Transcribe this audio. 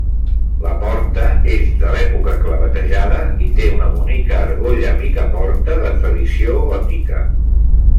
La porta és de l'època, clavetejada, i té una bonica argolla picaporta de tradició gòtica.